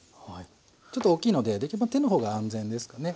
ちょっと大きいのでできるだけ手の方が安全ですかね。